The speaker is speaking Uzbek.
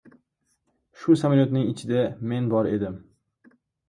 Shu samolyotning ichida men bor edim!